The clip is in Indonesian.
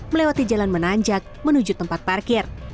melewati jalan menanjak menuju tempat parkir